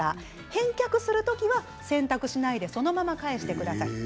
返却する時は洗濯しないでそのまま返してください。